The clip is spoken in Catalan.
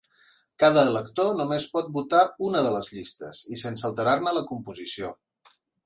Cada elector només pot votar una de les llistes i sense alterar-ne la composició.